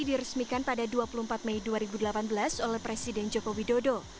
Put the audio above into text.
diresmikan pada dua puluh empat mei dua ribu delapan belas oleh presiden joko widodo